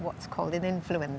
maka anda adalah pengguna